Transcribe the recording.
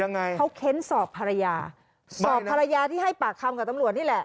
ยังไงเขาเค้นสอบภรรยาสอบภรรยาที่ให้ปากคำกับตำรวจนี่แหละ